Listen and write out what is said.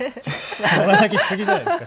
泣きすぎじゃないですか。